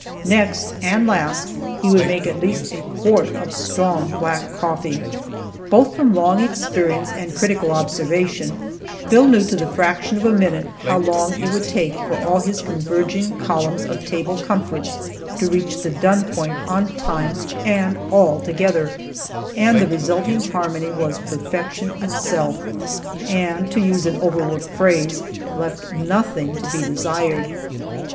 Next, and last, he would make at least a quart of strong, black coffee. Both from long experience and critical observation, Bill knew to the fraction of a minute how long it would take for all his converging columns of table comforts to reach the done point on time and all together, and the resulting harmony was perfection itself, and (to use an overworked phrase) "left nothing to be desired."